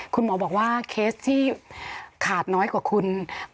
คุณหมอบอกว่าเคสที่ขาดน้อยกว่าคุณ